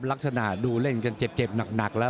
ลักษณะดูเล่นกันเจ็บหนักแล้ว